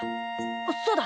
そうだ！